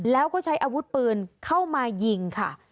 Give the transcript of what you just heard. แล้วก็ใช้อาวุธปืนเข้ามายิงค่ะ